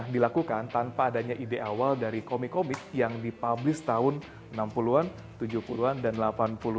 dilakukan tanpa adanya ide awal dari komik komik yang dipublis tahun enam puluh an tujuh puluh an dan delapan puluh an